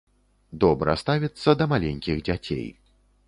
Добра ставіцца да маленькіх дзяцей.